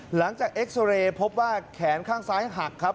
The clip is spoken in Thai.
หลังจากเอ็กซอเรย์พบว่าแขนข้างซ้ายหักครับ